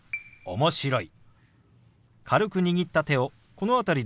「面白い」。